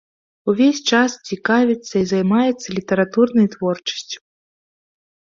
Увесь час цікавіцца і займаецца літаратурнай творчасцю.